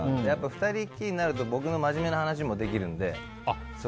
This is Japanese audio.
２人きりになると僕も真面目な話ができるので。